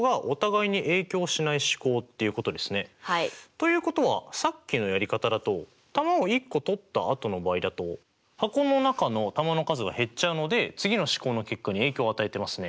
ということはさっきのやり方だと球を１個取ったあとの場合だと箱の中の球の数が減っちゃうので次の試行の結果に影響を与えてますね。